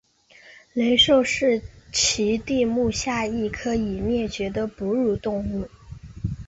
雷兽是奇蹄目下一科已灭绝的哺乳动物。